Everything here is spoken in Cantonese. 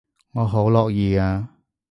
我好樂意啊